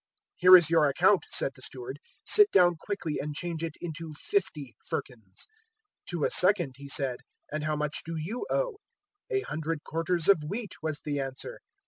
"`Here is your account,' said the steward: `sit down quickly and change it into fifty firkins.' 016:007 "To a second he said, "`And how much do you owe?' "`A hundred quarters of wheat,' was the answer.